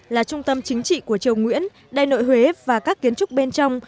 là trung tâm chính trị của triều nguyễn đại nội huế và các kiến trúc bên trong